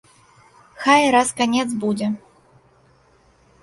Хай раз канец будзе!